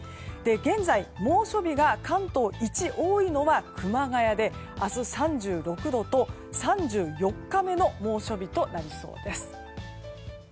現在、猛暑日が関東一多いのは熊谷で明日３６度と、３４日目の猛暑日となりそうです。